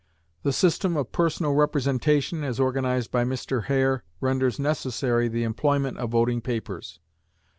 The system of personal representation, as organized by Mr. Hare, renders necessary the employment of voting papers.